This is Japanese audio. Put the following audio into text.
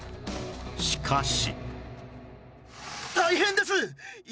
しかし